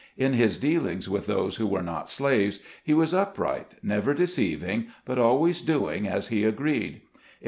In his dealings with those who were not slaves, he was upright, never deceiv ing, but always doing as he agreed.